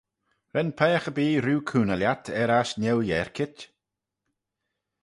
Ren peiagh erbee rieau cooney lhiat er aght neuyerkit?